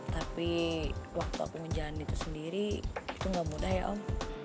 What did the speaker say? tapi waktu aku menjalani itu sendiri itu gak mudah ya om